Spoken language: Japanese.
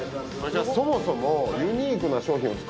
そもそも。